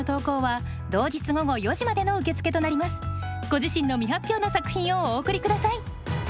ご自身の未発表の作品をお送り下さい。